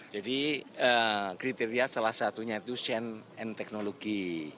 jadi kriteria salah satunya itu change and technology